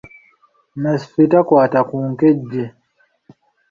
Nasswi takwata ku nkejje.